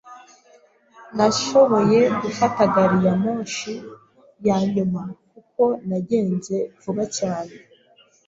Nashoboye gufata gari ya moshi ya nyuma kuko nagenze vuba cyane.